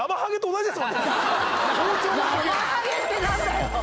ナマハゲって何だよ！